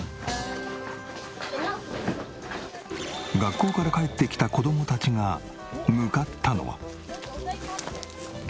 学校から帰ってきた子供たちが向かったのは？